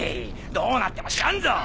どうなっても知らんぞ。